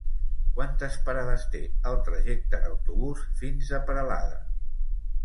Quantes parades té el trajecte en autobús fins a Peralada?